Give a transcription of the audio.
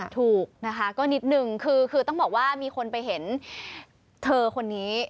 ถูกนะคะก็นิดนึงคือต้องบอกว่ามีคนไปเห็นเธอคนนี้